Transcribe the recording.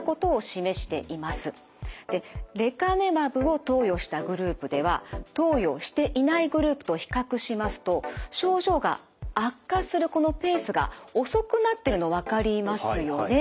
でレカネマブを投与したグループでは投与していないグループと比較しますと症状が悪化するこのペースが遅くなってるの分かりますよね。